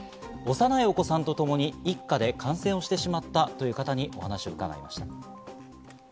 お子さんとともに一家で感染してしまったという方にお話を伺いました。